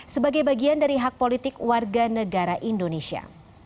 sebagai bagian dari hak politik warga negara indonesia